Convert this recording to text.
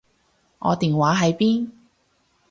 我電話喺邊？